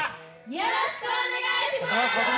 よろしくお願いします！